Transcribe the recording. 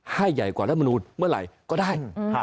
ให้ใหญ่กว่ารัฐมนูลเมื่อไหร่ก็ได้